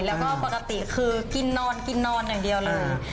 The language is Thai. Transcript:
แล้วก็ปกติคือกินนอนกินนอนอย่างเดียวเลย